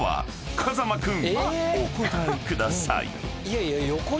［風間君お答えください］